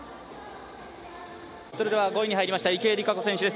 それでは５位に入りました池江璃花子選手です。